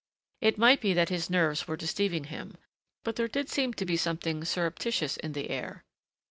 It might be that his nerves were deceiving him, but there did seem to be something surreptitious in the air.